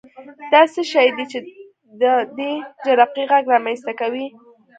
دا څه شی دی چې د دې جرقې غږ رامنځته کوي؟